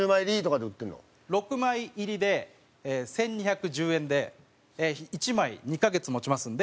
６枚入りで１２１０円で１枚２カ月持ちますんで。